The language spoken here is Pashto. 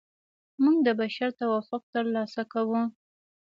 موږ د بشر توافق ترلاسه کوو.